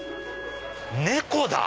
猫だ。